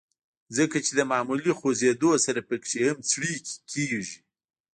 ځکه چې د معمولي خوزېدو سره پکښې هم څړيکې کيږي